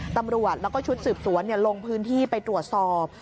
ตำรวจแล้วก็ชุดสืบสวนลงพื้นที่ไปตรวจสอบ